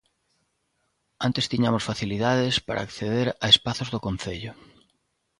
Antes tiñamos facilidades para acceder a espazos do concello.